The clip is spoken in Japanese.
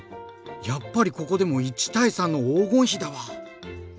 やっぱりここでも１対３の黄金比だわ！